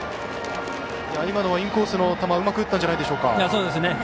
今のインコースの球うまく打ったんじゃないでしょうか。